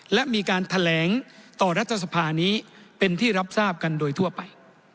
และมีการแถลงต่อรัฐสภานี้เป็นที่รับทราบกันโดยทั่วไป